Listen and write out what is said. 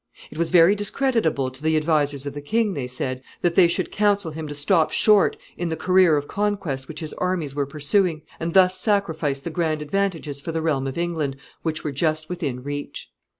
It was very discreditable to the advisers of the king, they said, that they should counsel him to stop short in the career of conquest which his armies were pursuing, and thus sacrifice the grand advantages for the realm of England which were just within reach.